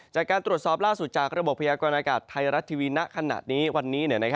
จากการตรวจสอบล่าสุดจากระบบพยากรณากาศไทยรัฐทีวีณขณะนี้วันนี้